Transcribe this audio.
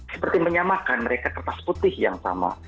seperti menyamakan mereka kertas putih yang sama